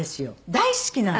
大好きなの。